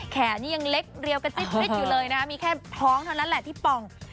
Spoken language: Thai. นี้ยังเล็กเรียวกระจิ๊บอยู่เลยนะมีแค่ท้องเท่านั้นแหละที่ป่อง